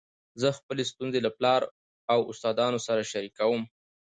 زه خپلي ستونزي له پلار او استادانو سره شریکوم.